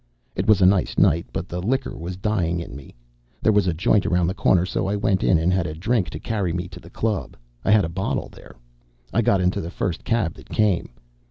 It was a nice night, but the liquor was dying in me. There was a joint around the corner, so I went in and had a drink to carry me to the club; I had a bottle there. I got into the first cab that came.